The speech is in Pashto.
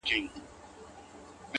څه دي راوکړل د قرآن او د ګیتا لوري ـ